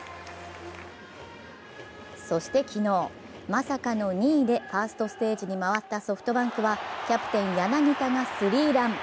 そして昨日、まさかの２位でファーストステージに回ったソフトバンクはキャプテン・柳田がスリーラン。